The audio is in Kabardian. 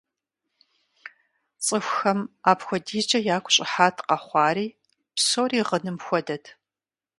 ЦӀыхухэм апхуэдизкӀэ ягу щӀыхьат къэхъуари, псори гъыным хуэдэт.